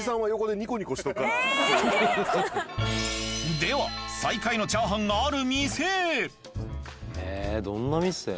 では最下位のチャーハンがある店へえどんな店？